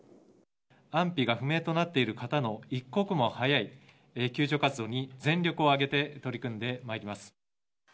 安否が不明となっている方の、一刻も早い救助活動に、全力を挙げて取り組んでまいります。